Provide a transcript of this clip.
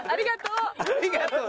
ありがとう。